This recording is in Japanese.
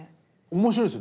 面白いです。